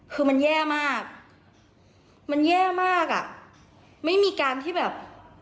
คือมันแย่มากมันแย่มากอ่ะไม่มีการที่แบบ